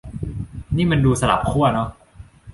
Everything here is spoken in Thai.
นี่มันดูสลับขั้วเนอะ